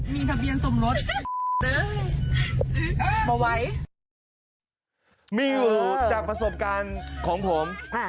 มีอยู่จากประสบการณ์ของผม